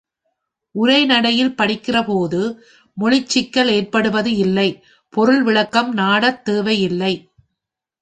உரைநடையில் படிக்கிறபோது மொழிச்சிக்கல் ஏற்படுவது இல்லை பொருள் விளக்கம் நாடத் தேவை இல்லை.